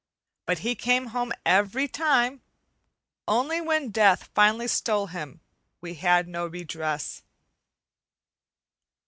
But he came home every time; only when Death finally stole him, we had no redress.